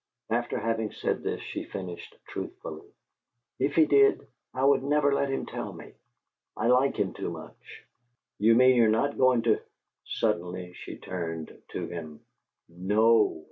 After having said this, she finished truthfully: "If he did, I would never let him tell me. I like him too much." "You mean you're not going to " Suddenly she turned to him. "NO!"